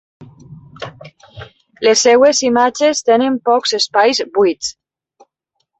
Les seves imatges tenen pocs espais buits.